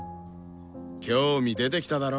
興味出てきただろ？